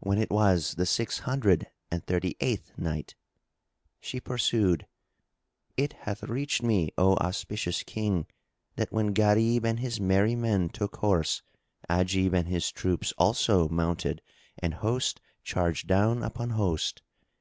When it was the Six Hundred and Thirty eighth Night, She pursued, It hath reached me, O auspicious King, that when Gharib and his merry men took horse, Ajib and his troops also mounted and host charged down upon host.